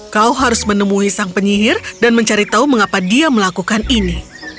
kau harus menemui sang penyihir dan mencari tahu mengapa dia melakukan ini